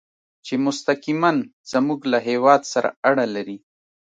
چې مستقیماً زموږ له هېواد سره اړه لري.